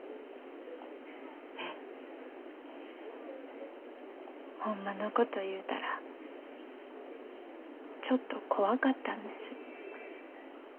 えっ？ホンマのこと言うたらちょっと怖かったんです。